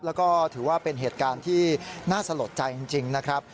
แล้วก็ถือว่าเป็นเหตุการณ์ที่น่าสลดใจจริงนะครับ